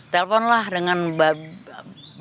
saya telpon lah dengan bin mas ya bin mas pondok labu